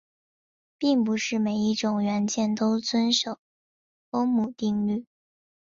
并不是每一种元件都遵守欧姆定律。